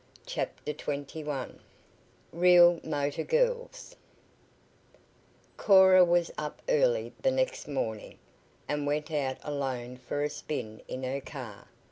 CHAPTER XXI REAL MOTOR GIRLS Cora was up early the next morning, and went out alone for a spin in her car.